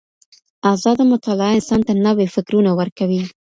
ازاده مطالعه انسان ته نوي فکرونه ورکوي.